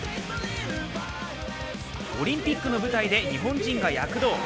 オリンピックの舞台で日本人が躍動。